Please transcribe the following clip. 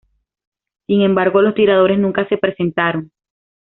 Sin embargo, los tiradores nunca se presentaron.